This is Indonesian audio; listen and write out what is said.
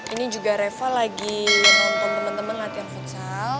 ini juga reva lagi nonton temen temen latihan futsal